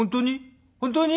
本当に？